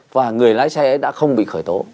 và người lái xe đã không bị khởi tố